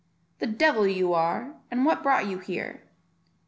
"The devil you are; and what brought you here."